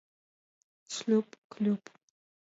ШЛЁП-КЛЁП